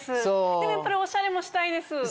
でもやっぱりオシャレもしたいです。